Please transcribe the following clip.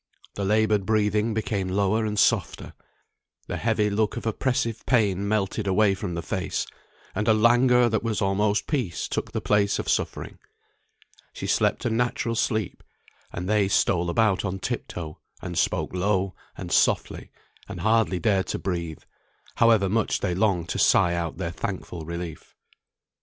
The laboured breathing became lower and softer, the heavy look of oppressive pain melted away from the face, and a languor that was almost peace took the place of suffering. She slept a natural sleep; and they stole about on tip toe, and spoke low, and softly, and hardly dared to breathe, however much they longed to sigh out their thankful relief.